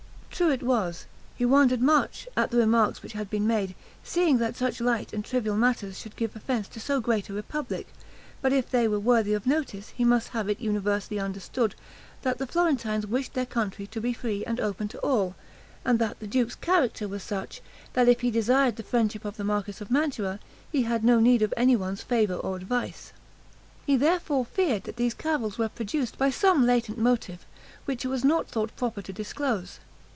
True it was, he wondered much at the remarks which had been made, seeing that such light and trivial matters should give offense to so great a republic; but if they were worthy of notice he must have it universally understood, that the Florentines wished their country to be free and open to all; and that the duke's character was such, that if he desired the friendship of the marquis of Mantua, he had no need of anyone's favor or advice. He therefore feared that these cavils were produced by some latent motive, which it was not thought proper to disclose.